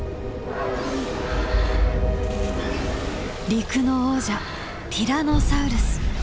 陸の王者ティラノサウルス。